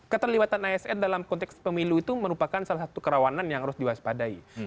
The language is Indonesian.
keterlibatan asn dalam konteks pemilu itu merupakan salah satu kerawanan yang harus diwaspadai